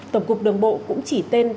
tổng cục đường bộ cũng chỉ tên